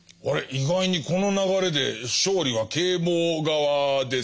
意外にこの流れで勝利は啓蒙側ですか？